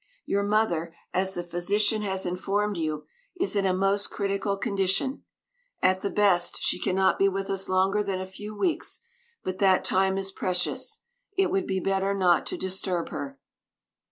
Your mother, as the physician has informed you, is in a most critical condition; at the best, she cannot be with us longer than a few weeks, but that time is precious. It would be better not to disturb her."